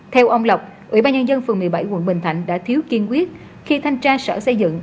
theo ông lộc ủy ban nhân dân phường một mươi bảy quận bình thạnh đã thiếu kiên quyết khi thanh tra sở xây dựng